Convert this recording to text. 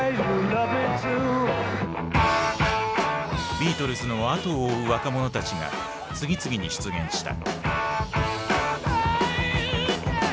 ビートルズの後を追う若者たちが次々に出現した。